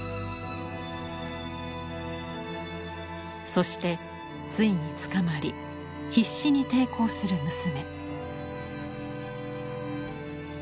そしてついに捕まり必死に抵抗する娘。